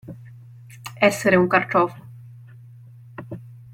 Essere un carciofo.